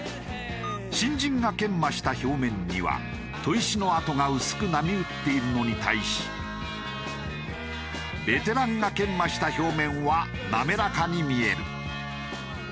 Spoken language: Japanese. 新人が研磨した表面には砥石の跡が薄く波打っているのに対しベテランが研磨した表面は滑らかに見える。